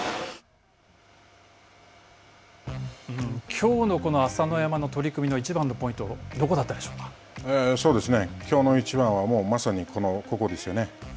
きょうのこの朝乃山の取組の一番のポイントは、きょうの一番はまさにここですよね。